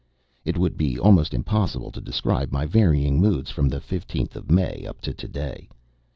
It would be almost impossible to describe my varying moods from the 15th of May up to to day.